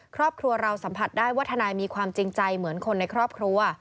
ครอบครัวเราสัมผัสได้ว่าทนายมีความจริงใจเหมือนคนในครอบครัว